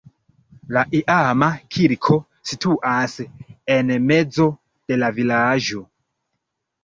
La iama kirko situas en mezo de la vilaĝo.